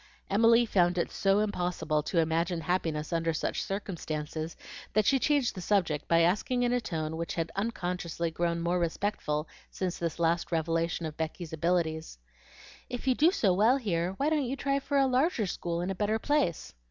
Emily found it so impossible to imagine happiness under such circumstances that she changed the subject by asking in a tone which had unconsciously grown more respectful since this last revelation of Becky's abilities, "If you do so well here, why don't you try for a larger school in a better place?"